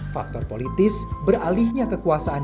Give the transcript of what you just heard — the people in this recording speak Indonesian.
faktor politis beralihnya kekuasaan